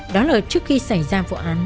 đó là trước khi xảy ra vụ án